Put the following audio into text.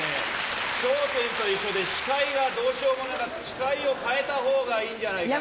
『笑点』と一緒でシカイがどうしようもなかったシカイを代えた方がいいんじゃないかな。